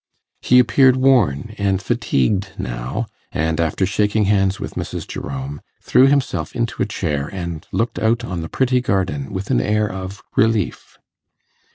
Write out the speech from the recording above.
He appeared worn and fatigued now, and after shaking hands with Mrs. Jerome, threw himself into a chair and looked out on the pretty garden with an air of relief.